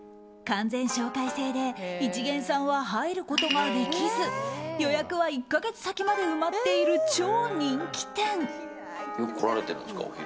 完全紹介制で一見さんは入ることができず予約は１か月先まで埋まっている超人気店。